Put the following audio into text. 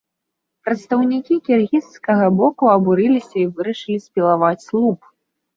Прадстаўнікі кіргізскага боку абурыліся і вырашылі спілаваць слуп.